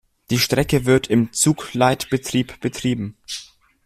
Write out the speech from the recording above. Die Strecke wird im Zugleitbetrieb betrieben.